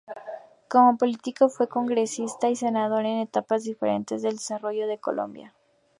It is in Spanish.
Cómo político fue congresista y senador en etapas diferentes del desarrollo de Colombia.